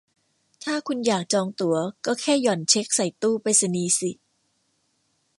ถ้าคุณอยากจองตั๋วก็แค่หย่อนเช็กใส่ตู้ไปรษณีย์สิ